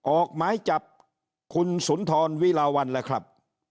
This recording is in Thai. ออกไม้จับคุณสุนทรวีราวัลเลยครับ